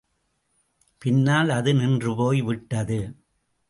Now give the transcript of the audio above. பின்னால் அது நின்றுபோய் விட்டது.